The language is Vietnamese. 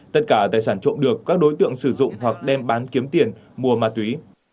tất cả tài sản trộm được các đối tượng sử dụng hoặc đem bán kiếm tiền mua ma túy